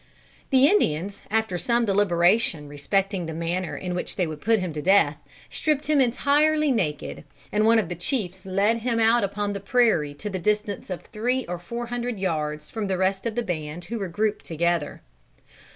The Indians, after some deliberation respecting the manner in which they would put him to death, stripped him entirely naked, and one of the chiefs led him out upon the prairie to the distance of three or four hundred yards from the rest of the band who were grouped together.